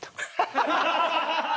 ハハハハ！